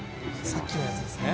さっきのやつですね。